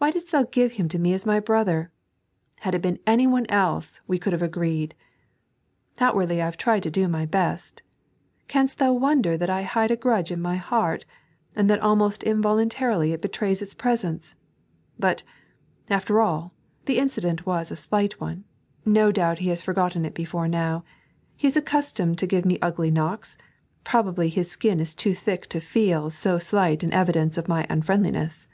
Why didst Thou give him to me as my brother 1 Had it been anyone else, we could have agreed. Outwardly I have tried to do my best. Canst Thou wonder that I hide a grudge in my heart, and that almost involuntarily it betrays its presence t But, after all, the incident was a very slight one ; no doubt he has forgotten it before now. He is accustomed to give me ugly knocks ; probably bis skin is too thick to feel so slight an evideuce of my unfriendlin^s."